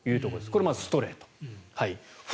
これ、まずストレート。